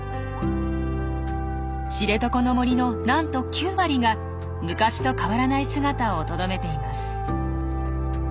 知床の森のなんと９割が昔と変わらない姿をとどめています。